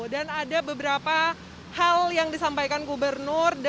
dan ada beberapa hal yang disampaikan gubernur